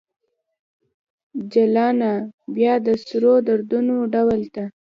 جلانه ! بیا د سرو دردونو ډول ته